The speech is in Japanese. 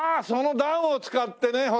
その段を使ってね。